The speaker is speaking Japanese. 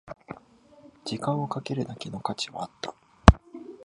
時間をかけるだけの価値はあった